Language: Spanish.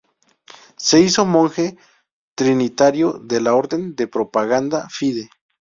Se hizo monje trinitario de la Orden de Propaganda Fide.